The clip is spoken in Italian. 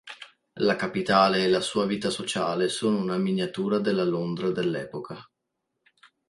La capitale e la sua vita sociale sono una miniatura della Londra dell'epoca.